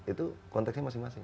itu konteksnya masing masing